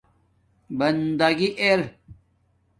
بنداگی اِر